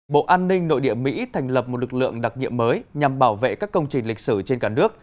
bộ an ninh nội địa mỹ thành lập một lực lượng đặc nhiệm mới nhằm bảo vệ các công trình lịch sử trên cả nước